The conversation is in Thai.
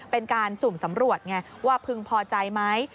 เป็นการสุ่มสำรวจไงว่าพึงพอใจไหม